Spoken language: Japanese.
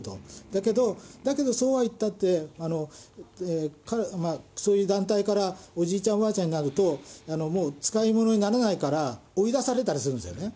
だけど、だけどそうはいったって、そういう団体から、おじいちゃん、おばあちゃんになると、もう使いものにならないから、追い出されたりするんですね。